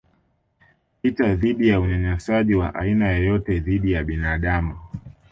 vita dhidi ya unyanyasaji wa aina yoyote dhidi ya binadamu